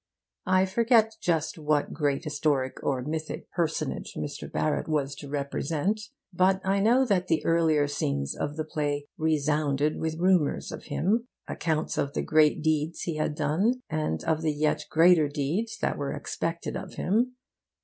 I forget just what great historic or mythic personage Mr. Barrett was to represent, but I know that the earlier scenes of the play resounded with rumours of him accounts of the great deeds he had done, and of the yet greater deeds that were expected of him.